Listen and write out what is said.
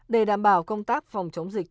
để đảm bảo công tác phòng chống dịch